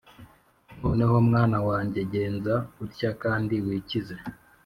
noneho mwana wanjye, genza utya kandi wikize,